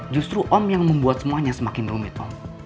justru om yang membuat semuanya semakin rumit om